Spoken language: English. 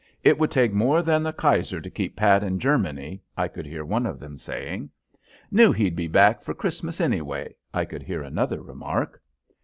"It would take more than the Kaiser to keep Pat in Germany!" I could hear one of them saying. "Knew he'd be back for Christmas, anyway," I could hear another remark.